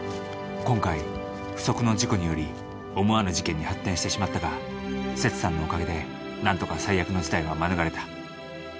今回不測の事故により思わぬ事件に発展してしまったがせつさんのおかげで何とか最悪の事態は免れた。